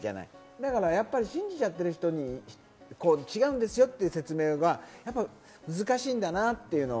だからやっぱり信じちゃってる人に違うんですよっていう説明は難しいんだなっていうのを。